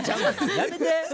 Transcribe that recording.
やめて。